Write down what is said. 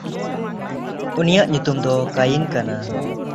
ᱩᱱᱤᱭᱟᱜ ᱧᱩᱛᱩᱢ ᱫᱚ ᱠᱟᱭᱤᱱ ᱠᱟᱱᱟ᱾